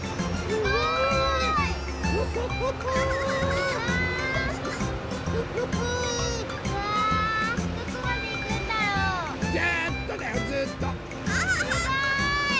すごい！